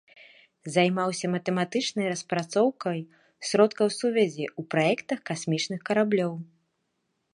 Займаўся матэматычнай распрацоўкай сродкаў сувязі ў праектах касмічных караблёў.